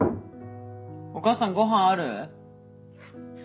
お母さんごはんある？